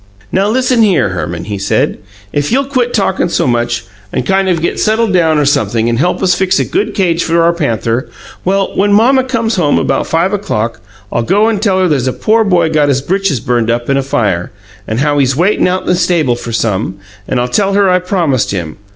"Now listen here, Herman," he said: "if you'll quit talkin' so much, and kind of get settled down or sumpthing, and help us fix a good cage for our panther, well, when mamma comes home about five o'clock, I'll go and tell her there's a poor boy got his britches burned up in a fire, and how he's waitin' out in the stable for some, and I'll tell her I promised him.